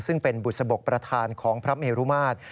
ซึ่งเป็นบุษบกประธานของพระเมรุมาตร